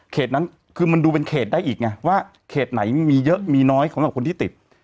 นั้นคือมันดูเป็นเขตได้อีกไงว่าเขตไหนมีเยอะมีน้อยสำหรับคนที่ติด